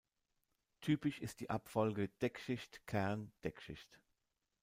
Typisch ist die Abfolge Deckschicht-Kern-Deckschicht.